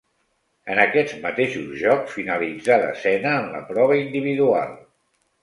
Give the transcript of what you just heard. En aquests mateixos Jocs finalitzà desena en la prova individual.